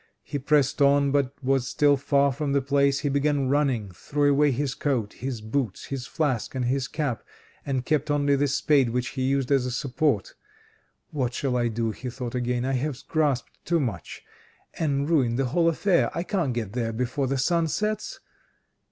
He pressed on, but was still far from the place. He began running, threw away his coat, his boots, his flask, and his cap, and kept only the spade which he used as a support. "What shall I do," he thought again, "I have grasped too much, and ruined the whole affair. I can't get there before the sun sets."